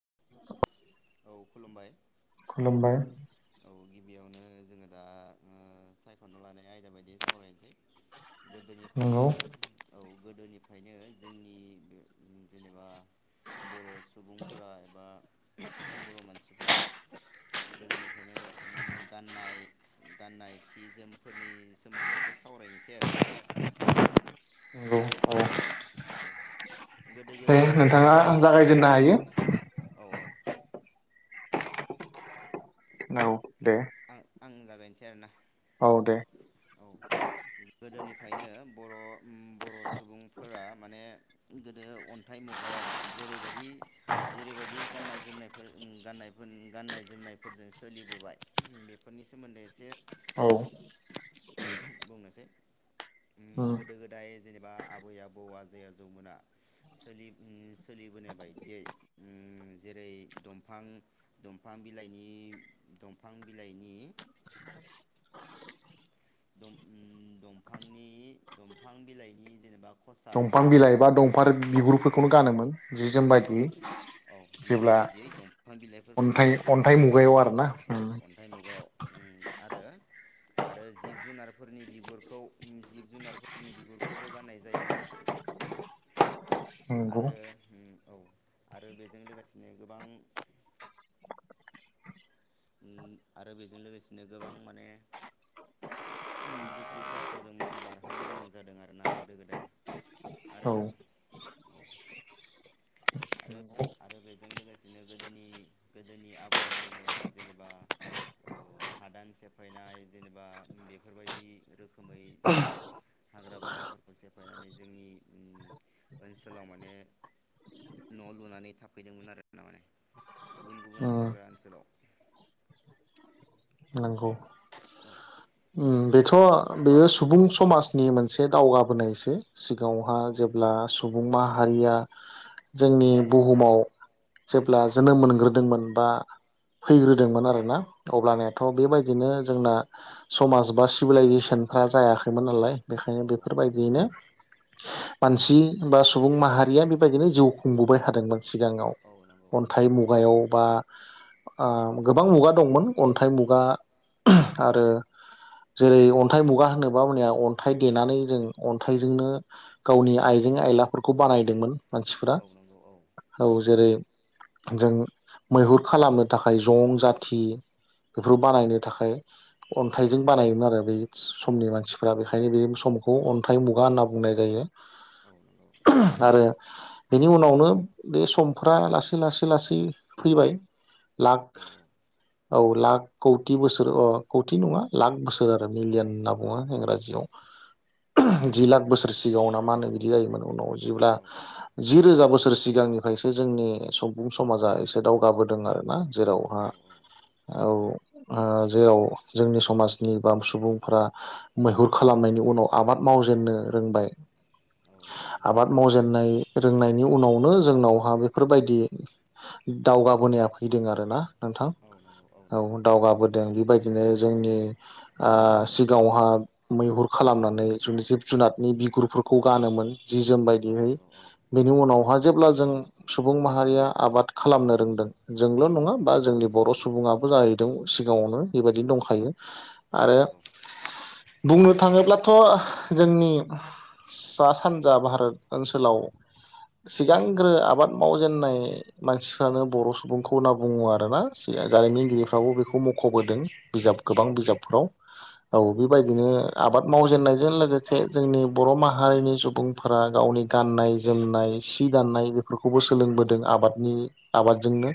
[unintelligible] खुलुमबाय गिबियावनो जोङो दा ओ सायख'ना लानाय आयदा बायदि सावरायनोसै गोदोनिफ्रायनो औ गोदोनिफ्रायनो जोंनि जेनेबा बर' सुबुंफोरा एबा बर' मानसिफ्रा गोदोनि फ्रायनो उम गाननाय गाननाय सि जोमफोरनि सोमोन्दै एसे सावरायनोसै आरोना जोङो नंगौ औ औ दे नोंथाङा जागायजेननो हायो आं आं जागायनोसै आरोना औ गोदोनिफ्रायनो बर' उ बर' सुबुंफोरा माने गोदो अनथाइ मुगायाव जेरैबायदि जेरैबायदि गाननाय जोमनायफोर गाननायफोर गाननाय जोमनायफोरजों सोलिबोबाय बेफोरनि सोमोनदै एसे औ बुंनोसै उ गोदो गोदाय जेनेबा आबै आबौ आजै आजौमोना सोलि उ सोलिबोनाय बायदियै उ जेरै दंफां दंफां बिलाइनि दं फां बिलाइनि दं उ दंफांनि दंफां बिलाइनि जेनेबा दंफां बिलाइ बा दंफां बिगुर खौनो गानोमोन औ औ औ जि जोम बायदियै दंफां बिलाइफोरखौ एबा दंफां बिगुरफोर औ अनथाइ मुगायाव उ आरो आरो जिब जुनारफोरनि बिगुरखौ जिब जुनारफोरनि बिगुरखौबो गाननाय जायोमोन आरो उ औ आरो बेजों लोगोसेनो गोबां उ आरो बेजों लोगोसेनो गोबां माने दुखु खस्थ'जों माने बारहोनो गोनां जादों आरोना गोदो गोदाय आरो औ आरो आरो बेजों लोगोसेनो गोदोनि गोदोनि आबै आबौमोना जेनेबा औ हादान सेफायनाय जेनेबा बेफोरबायदि रोखोमै उ हाग्रा बंग्राफोरखौ सेफायनानै जोंनि उ ओनसोलाव माने न' लुनानै थाफैदोंमोन आरो थारमाने गुबुन गुबुन हाग्रा ओनसोलाव बेथ' बेयो सुबुं समाजनि मोनसे दावगाबोनायसो सिगाङावहा जेब्ला सु बुं माहारिया जोंनि बुहुमाव जेब्ला जोनोम मोनग्रोदोंमोन बा फैग्रोदोंमोन आरोना अब्लानियाथ' बेबायदिनो जोंना समाज बा सिभिलाइजेसनफ्रा जायाखैमोन नालाय बेखायनो बेफोरबायदियैनो मानसि बा सुबुं माहारिया बे बायदिनो जिउ खुंबोबाय थादोंमोन सिगाङाव अनथाइ मुगायाव बा ओ गोबां मुगा दंमोन अनथाइ मुगा आरो जेरै अनथाइ मुगा होनोबा मानिया अनथाइ देनानै जों अनथाइजोंनो गावनि आइजें आइलाफोरखौ बानायदोंमोन मानसिफोरा औ जेरै जों मैहुर खालामनो थाखाय जं जाथि बेफोर बानायनो थाखाय अनथाइजों बानाय मोन आरो बे समनि मानसिफ्रा बेखायनो बे समखौ अनथाइ मुगा होनना बुंनाय जायो आरो बेनि उनावनो बे समफ्रा लासै लासै लासै फैबाय लाख औ लाख कौति बोसोर ओ कौति नङा लाख बो सोर आरो मिलयन बुङो इंराजियाव जि लाख बोसोर सिगाङावना मा होनो बिदि जायोमोन उनाव जेब्ला जि रोजा बोसोर सिगांनिफ्रायसो जोंनि सुबुं समाजा एसे दावगाबोदों आरोना जेरावहा औ ओ जेराव जोंनि समाज गोबां सुबुंफोरा मैहुर खालामनायनि उनाव आबाद मावजेननो रोंबाय आबाद मावजेननाय रोंनायनि उनावनो जोंनावहा बेफोरबायदि दावगाबोनाया फैदों आरोना नोंथां औ दावगाबोदों बेबायदिनो जोंनि सिगाङावहा मैहुर खालामनानै जों जिब जुनारनि बिगुरफोरखौ गानोमोन जि जोम बायदिहै बेनि उनावहा जेब्ला जों सुबुं माहारिया आबाद खालामनो रोंदों जोंल' नङा बा जोंनि बर' सुबुङाबो जाहैबाय सिगाङावनो बेबायदिनो दंखायो [inaudible] आरो बुंनो थाङोब्लाथ' जोंनि सा सानजा भारत ओनसोलाव सिगांग्रो आबाद मावजेनन्नाय मानसिफ्रानो बर' सुबुंखौ होनना बुङो आरोना जारिमिनगिरिफ्राबो बेखौ मख' खबोदों बिजाब गोबां बिजाबफोराव औ बेबायदिनो आबाद मावजेननायजों लोगोसे जोंनि बर' माहारिनि सुबुंफोरा गावनि गाननाय जोमनाय सि दानाय बेफोरखौबो सोलोंबोदों आबादनि आबादजोंनो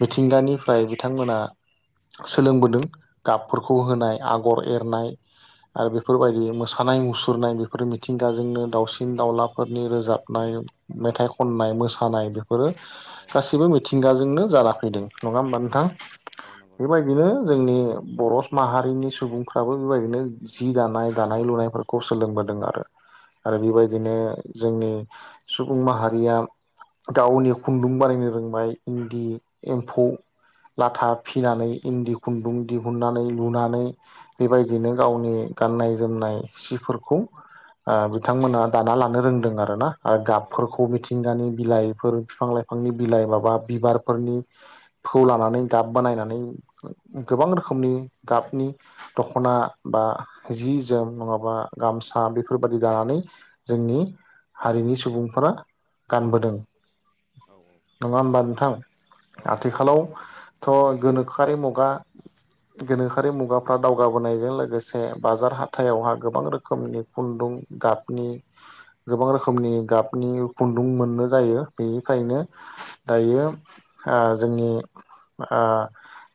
मिथिंगानिफ्राय बिथांमोना सोलोंबोदों गाबफोरखौ होनाय आगर एरनाय आरो बेफोरबायदि मोसानाय मुसुरनाय बेफोरो मिथिंगाजोंनो दाउसिन दावउलाफोरनि रोजाबनाय मेथाइ खननाय मोसानाय बेफोरो गासिबो मिथिंगाजोंनो जाना फैदों नङा होमबा नोंथां बेबायदिनो जोंनि बर' माहारिनि सुबुंफ्राबो बेबायदिनो जि दानाय दानाय लुनायफोरखौ सोलोंबोदों आरो आरो बेबायदिनो जोंनि सुबुं माहारिया गावनि खुन्दुं बानायनो रोंबाय इन्दि एम्फौ लाथा फिनानै इन्दि खुन्दुं दिहुननानै लुनानै बेबायदिनो गावनि गाननाय जोमनाय सिफोरखौ ओ बिथांमोना दाना लानो रोंदों आरो ना आरो गाबफोरखौ मिथिंगानि बिलाइफोर बिफां लाइफांनि बिलाइ माबा बिबारफोरनिखौ लानानै गाब बानायनानै गोबां रोखोमनि गाबनि दखना बा जि जोम नङाबा गामसा बेफोरबादि दानानै जोंनि हारिनि सुबुंफोरा गानबोदों। नङा होमबा नोंथां आथिखालावथ गोनो खारै मुगा गोनोखोरि मुगाफ्रा दावगाबोनायजों लोगोसे बाजार हाथायावहाय गोबां रोखोमनि खुन्दुं गाबनि गोबां रोखोमनि गाबनि खुन्दुं मोननो जायो। बेनिफ्रायनो दायो जोंनि ओ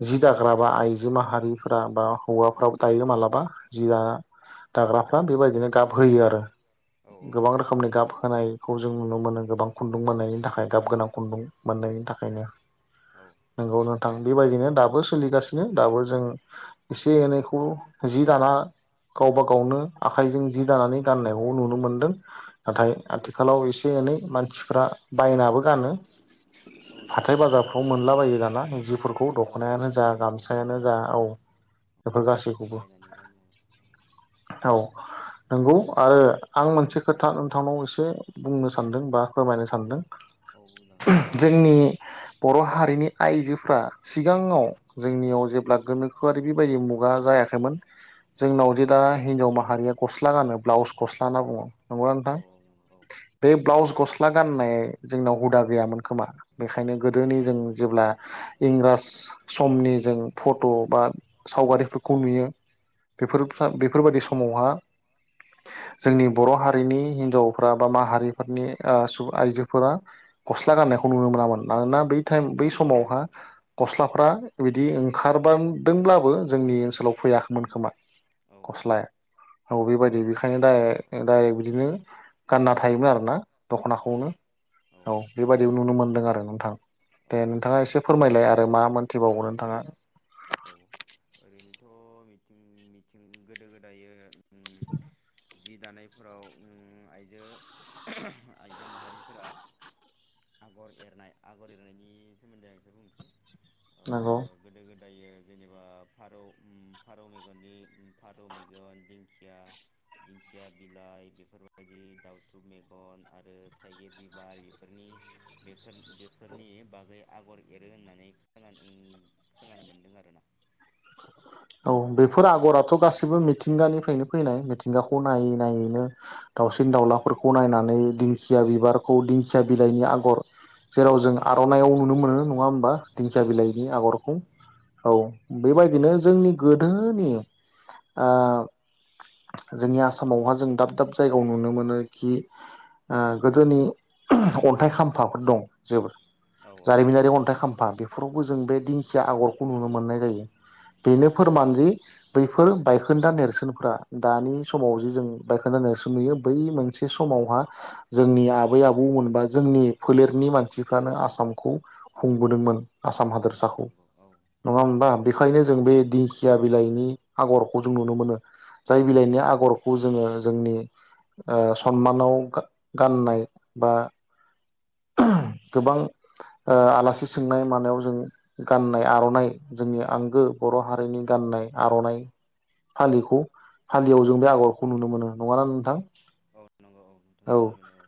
जि दाग्राबा आइजो माहारिफ्रा बा हौवाफ्राबो दायो मालाबा जि दा दाग्राफ्रा बेबायदिनो गाब होयो आरो गोबां रोखोमनि गाब होनायखौ जों नुनो मोनो गोबां खुन्दुं मोननायनि थाखाय गाब गोनां खुन्दुं मोननायनि थाखायनो नोंगौ नोंथां बेबायदिनो दाबो सोलिगासि नो दाबो जों एसे एनैखौ जि दाना गावबा गावनो आखाइजों जि दानानै गाननायखौ नुनो मोन्दों। नाथाय आथिखालाव एसे एनै मान मानसिफ्रा बायनाबो गानो। हाथाय बाजारफ्राव मोनलाबायो दाना जिफोरखौ दखनायानो जा गाम जा औ बेफोर गासैखौबो औ नंगौ आरो आं मोनसे खोथा नोंथांनाव एसे बुंनो सान्दों बा फोरमायनो सानदों जोंनि बर' हारिनि आइजोफ्रा सिगाङाव जोंनियाव जेब्ला गोनोखोआरि बेबायदि मुगा जायाखैमोन जोंनाव जे दा हिनजाव माहारिया गस्ला गानो ब्लाउस गस्ला होनना बुङो नंगौना नोंथां बे ब्लाउस गस्ला गाननाय जोंनाव हुदा गैयामोन खोमा बेखायनो गोदोनि जों जेब्ला इंराज समनि जों फट बा सावगारिफोरखौ नुयो बेफोर फ्रा बेफोर बायदि समावहा जोंनि बर' हारिनि हिनजावफ्रा बा माहारिफोरनि ओ सुबु आइजोफोरा गस्ला गाननायखौ नुनो मोनामोन। मानोना बै थाइम बै समावहा गस्लाफ्रा बिदि ओं खारबांदोंब्लाबो जोंनि ओनसोलाव फैयाखैमोन खोमा। गस्लाया औ बेबायदि बेखायनो दायो दायो बिदिनो गानना थायोमोन आरो ना दखनाखौनो औ बेबदियाव नुनो मोन दों आरो नोंथां दे नोंथाङा एसे फोरमायलाय आरो मा मोनथिबावगौ नोंथाङा? [inaudible] थ मिथिं मिथिं गोदो गोदायो [inaudible] जि दानायफोराव उम आइजो आइजो माहारिफोरा आगर एरनाय आगर एरनायनि सोमोन्दै आं एसे बुंनोसै नोंगौ दायो जेनेबा फारौ उम फारौ मेगननि उम फारौ मेगन दिंखिया दिंखिया बिलाइ बेफोरबायदि दाउथुब मेगन आरो थाइगिर बिबार इफोरनि बेफोर बेफोरनि बागै आगर एरो होननानै खोनानो खोनानो मोन्दों आर ना। औ बेफोर आगराथ गासिबो मिथिंगानिफ्रायनो फैनाय मिथिं गाखौ नायै नायैनो दाउसिन दाउलाफोरखौ नायनानै दिंखिया बिबार खौ दिंखिया बिलाइनि आगर जेराव जों आर'नायाव नुनो मोनो नङा होमबा? दिंखिया बिलाइनि आगरखौ औ बेबायदिनो जोंनि गोदोनि ओ जोंनि आसामावहा जों दाब दाब जायगायाव नुनो मोनो खि गोदोनि अन्थाइ खाम्फाफोर दं जोबोर जारिमिनारि अन्थाइ खाम फा बेफोरावबो जों बे दिंखिया आगरखौ नुनो मोननाय जायो बेनो फोरमानदि बैफोर बायखोन्दा नेरसोनफ्रा दानि समाव जे जों बायखोनदा नेरसोन नुयो बै मोनसे समावहा जोंनि आबै आबौमोनबा जोंनि फोलेरनि मानसिफ्रानो आसामखौ खुंबोदोंमोन आसाम हादोरसाखौ नङा होमबा बेखायनो जों बे दिंखिया बिलाइनि आगरखौ जों नुनो मोनो जाय बिलाइनि आगरखौ जोङो जोंनि ओ सनमानाव गा- गाननाय बा गोबां ओ आलासि सोंनाय मानायाव जों गाननाय आर'नाइ जोंनि आंगो बर' हारिनि गाननाय आर'नाइ फालिखौ फालि याव जों बे आगरखौ नुनो मोनो नङाना नोंथां औ औ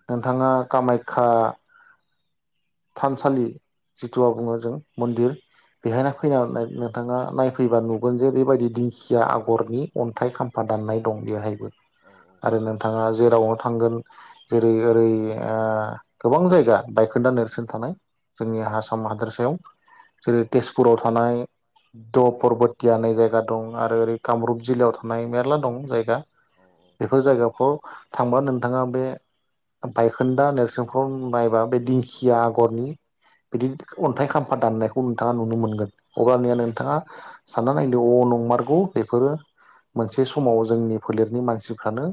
नोंथाङा कामाय ख्या थानसालि जिथुआ बुङो जों मन्दिर बेहायनो फैनानै नाय नोंथाङा नायफैबा नुगोन जे बेबायदि दिंखिया आगरनि अन्थाइ खाम्फा दान्नाय दं बेवहायबो आरो नोंथाङा जेरावनो थांगोन जेरै ओरै ओ गोबां जायगा बायखोन्दा नेर सोन थानाय जोंनि आसाम हादोरसायाव जेरै तेजपुराव थानाय द परबतिया होननाय जायगा दं आरो ओरै कामरुप जिल्लायाव थानाय मेरला दं जायगा बेफोर जायगाफ्राव थांबा नोंथाङा बे बायखोन्दा नेरसोनफ्राव नायबा बे दिंखि या आगरनि बिदि अन्थाइ खाम्फा दान्नायखौ नोंथाङा नुनो मोनगोन अब्लानिया नोंथाङा सानना नायदो अ नंमारगौ बेफोरो मोनसे समाव जोंनि फोलेरनि मानसिफ्रानो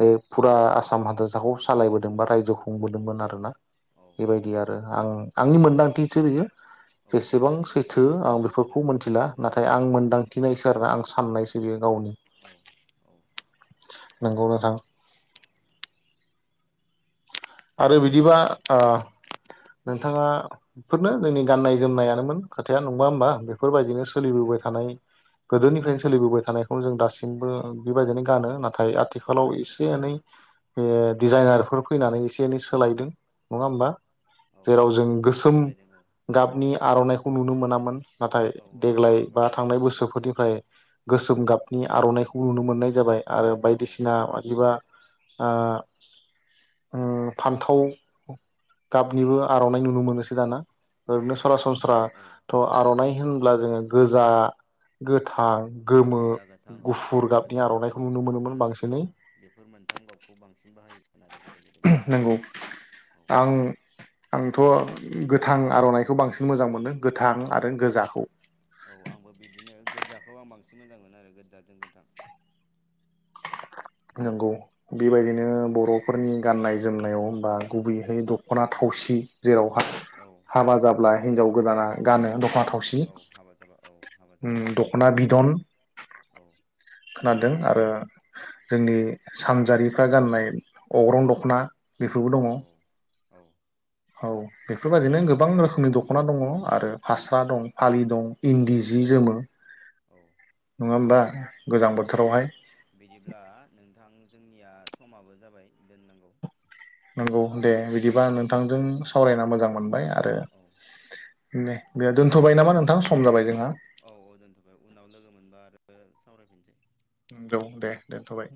बे फुरा आसाम हादोरसाखौ सालायबोदों बा रायजो खुंबोदोंमोन आरो ना आरो आं आंनि मोनदांथिसो बेयो बेेसेबां सैथो आं बेफोरखौ मोनथिला नाथाय आं मोनदांथिनायसो आरो ना आं साननायसो बियो गावनि नंगौ नोंथां आरो बिदिबा ओ नोंथाङा बेफोरनो जोंनि गाननाय जोमनायानोमोन खोथाया नङा होमबा बेफोरबायदिनो सोलिबोबाय थानाय गोदोनिफ्राय सोलिबोबाय थानायखौनो जों दासिमबो बेबायदिनो गानो नाथाय आथिखालाव एसे एनै बे डिजाइनारफोर फैनानै एसे एनै सोलायदों नङा होमबा जेराव जों गोसोम गाबनि आर'नाइ खौ नुनो मोनामोन नाथाय देग्लाय बा थांनाय बोसोरफोरनिफ्राय गोसोम गाब नि आरनाइखौ नुनो मोननाय जाबाय आरो बायदिसिना मानिबा आ उम फान्थाव गाबनिबो आरनाइ नुनो मोनोसै दाना ओरनो सरासनस्रा थ आरनाइ होनब्ला जोङो गोजा गोथां गोजा गोथां औ गोजा गोथां गोमो बेफोर औ बेफोर मोनथाम गाबखौ बांसिन बाहायोमोन आरो गोदो गोदायनिफ्राय नंगौ आं आं थ गोथां आरनाइखौ बांसिन मोजां मोनो गोथां आरो गोजाखौ औ आंबो बिदिनो गोजाखौ आं बांसिन मोजां मोनो आरो गोजाजों गोथां नंगौ बेबायदिनो बर'फोरनि गाननाय जोमनायाव बा गुबैयै दखना थावसि जेरावहा हाबा जाब्ला हिनजाव गोदाना गानो दखना औ हाबा जाबा औ हाबा जाबा गाननाय जायो औ खोनादों आरो जोंनि सानजारिफ्रा गाननाय अग्रं दखना बेफोरबो दङ औ औ बेफोरबायदिनो गोबां रोखोमनि दखना दङ आरो फास्रा दं फालि दं इन्दि सि जोमो औ नङा होमबा औ बिदिब्ला नों नोंथां जोंनिया समाबो जाबाय दोननांगौ नंगौ दे बिदिबा नोंथांजों सावरायना मोजां मोनबाय आरो नै उनफोराव औ औ औ दोनथ'बाय उनाव लोगो मोनबा आरो सावरायफिनसै दं दे दोनथ'बाय